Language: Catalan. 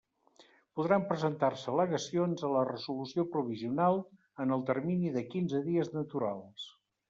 Podran presentar-se al·legacions a la resolució provisional en el termini de quinze dies naturals.